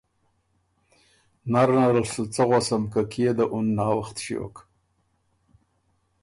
نرنرل سُو څۀ غؤسم که کيې ده اُن ناوخت ݭیوک؟